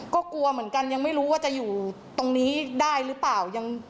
ก็กลัวเหมือนกันยังไม่รู้ว่าจะอยู่ตรงนี้ได้หรือเปล่า